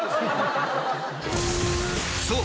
［そう。